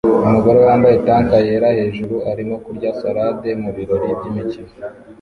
Umugore wambaye tank yera hejuru arimo kurya salade mubirori by'imikino